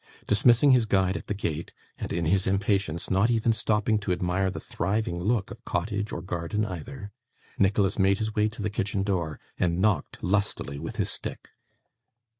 Dismissing his guide at the gate, and in his impatience not even stopping to admire the thriving look of cottage or garden either, Nicholas made his way to the kitchen door, and knocked lustily with his stick.